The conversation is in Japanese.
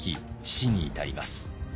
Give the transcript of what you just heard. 死に至ります。